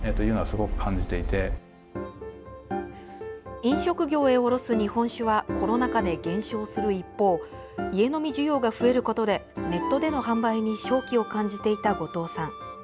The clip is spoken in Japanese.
飲食業へ卸す日本酒はコロナ禍で減少する一方家飲み需要が増えることでネットでの販売に商機を感じていた後藤さん。